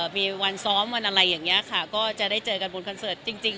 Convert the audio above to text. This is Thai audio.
มีวันซ้อมวันอะไรอย่างนี้ค่ะก็จะได้เจอกันบนคอนเสิร์ตจริง